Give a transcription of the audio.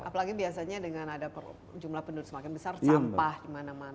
apalagi biasanya dengan ada jumlah penduduk semakin besar